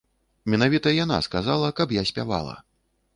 Менавіта яна сказала, каб я спявала.